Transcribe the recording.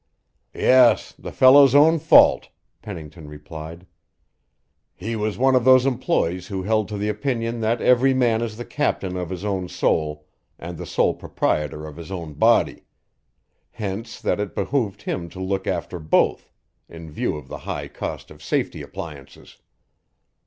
"Yes. The fellow's own fault," Pennington replied. "He was one of those employees who held to the opinion that every man is the captain of his own soul and the sole proprietor of his own body hence that it behooved him to look after both, in view of the high cost of safety appliances.